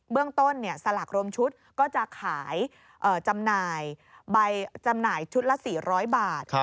เบื้องต้นเนี่ยสลากรวมชุดก็จะขายจำหน่ายชุดละ๔๐๐บาท